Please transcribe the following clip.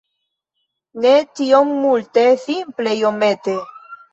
Ne tiom multe, simple iomete